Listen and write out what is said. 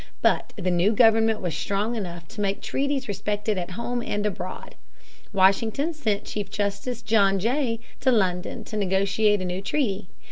But the new government was strong enough to make treaties respected at home and abroad. Washington sent Chief Justice John Jay to London to negotiate a new treaty.